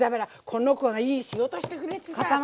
この子がいい仕事してくれてさ。